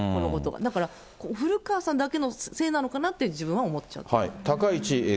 だから、古川さんだけのせいなのかなって、自分は思っちゃう。